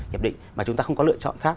hiệp định mà chúng ta không có lựa chọn khác